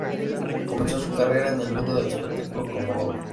Comenzó su carrera en el mundo del espectáculo como doble.